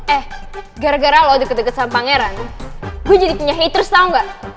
eh gara gara lo udah kedeket sama pangeran gue jadi punya haters tau gak